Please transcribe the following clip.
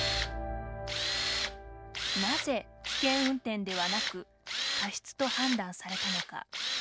なぜ危険運転ではなく過失と判断されたのか。